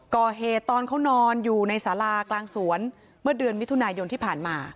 ก่อเหตุตอนเขานอนอยู่ในสารากลางสวนเมื่อเดือนมิถุนายนที่ผ่านมา